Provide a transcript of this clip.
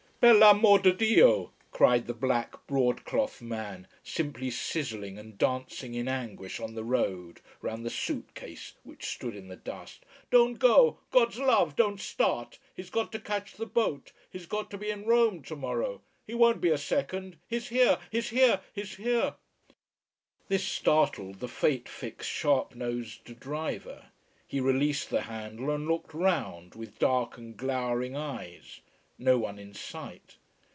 "Per l'amor' di Dio!" cried the black broad cloth man, simply sizzling and dancing in anguish on the road, round the suit case, which stood in the dust. "Don't go! God's love, don't start. He's got to catch the boat. He's got to be in Rome tomorrow. He won't be a second. He's here, he's here, he's here!" This startled the fate fixed, sharp nosed driver. He released the handle and looked round, with dark and glowering eyes. No one in sight.